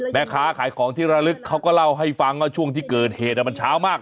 แม่ค้าขายของที่ระลึกเขาก็เล่าให้ฟังว่าช่วงที่เกิดเหตุมันเช้ามาก